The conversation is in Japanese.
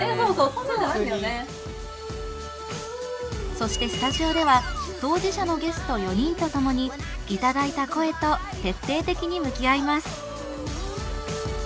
そしてスタジオでは当事者のゲスト４人と共に頂いた声と徹底的に向き合います。